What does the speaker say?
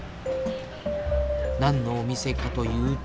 何のお店かというと。